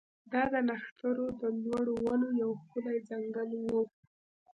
دا د نښترو د لوړو ونو یو ښکلی ځنګل و